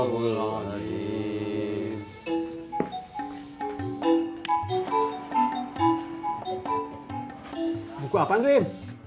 buku apaan sih